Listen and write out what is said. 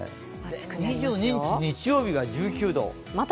２２日日曜日が１９度。